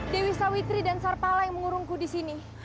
dewi sawitri dan sarpala yang mengurungku disini